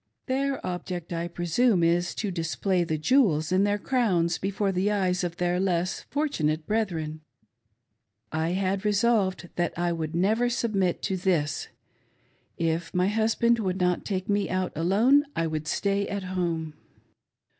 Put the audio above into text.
Their object, I presume, is to dis play the " jewels " in their crowns before the eyes of their less fortunate brethren. I had resolved that I would never sub mit to this — if my husband would not take me out alone I would stay at home.